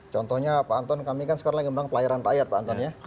contohnya pak anton kami kan sekarang lagi memang pelayaran rakyat pak anton ya